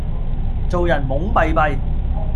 做人懵閉閉